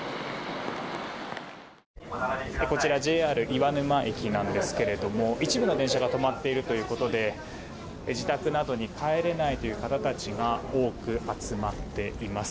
こちらＪＲ岩沼駅なんですけれども一部の電車が止まっているということで自宅などに帰れないという方たちが多く集まっています。